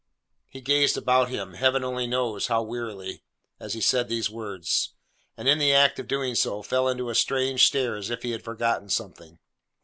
He gazed about him—Heaven only knows how wearily!—as he said these words; and in the act of doing so, fell into a strange stare as if he had forgotten something.